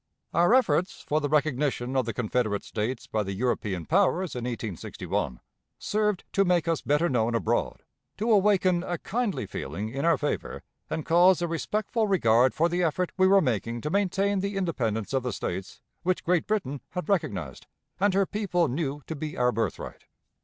Our efforts for the recognition of the Confederate States by the European powers, in 1861, served to make us better known abroad, to awaken a kindly feeling in our favor, and cause a respectful regard for the effort we were making to maintain the independence of the States which Great Britain had recognized, and her people knew to be our birthright.